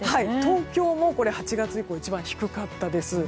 東京も８月以降一番低かったです。